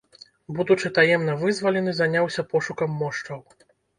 Будучы таемна вызвалены, заняўся пошукам мошчаў.